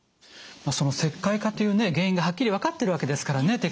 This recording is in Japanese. その石灰化というね原因がはっきり分かってるわけですからね